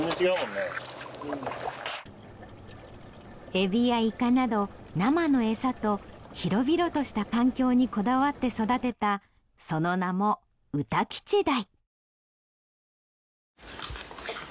エビやイカなど生のエサと広々とした環境にこだわって育てたその名も歌吉鯛。